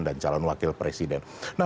dan calon wakil presiden dan calon wakil presiden